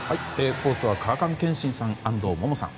スポーツは川上憲伸さん、安藤萌々さん。